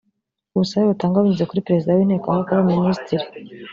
ubusabe butangwa binyuze kuri Perezida w’Inteko aho kuba Minisitiri